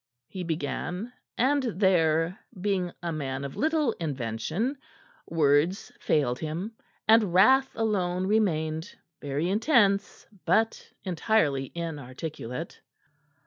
he began, and there being a man of little invention words failed him, and wrath alone remained, very intense, but entirely inarticulate.